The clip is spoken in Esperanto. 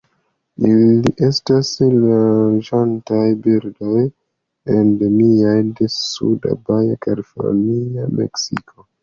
Ili estas loĝantaj birdoj endemiaj de suda Baja California, Meksiko.